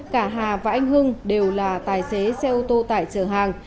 cả hà và anh hưng đều là tài xế xe ô tô tải chở hàng